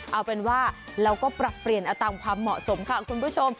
เอาเป็นว่าเราก็ปรับเปลี่ยนเอาตามความเหมาะสมค่ะคุณผู้ชม